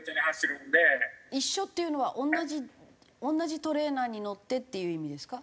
一緒っていうのは同じ同じトレーラーに乗ってっていう意味ですか？